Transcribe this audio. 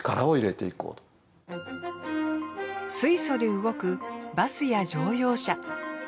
水素で動くバスや乗用車。